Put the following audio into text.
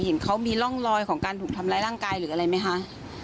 เห็นเขามีร่องรอยของการถูกทำร้ายร่างกายหรืออะไรไหมคะ